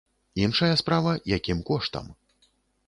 Іншая справа, якім коштам.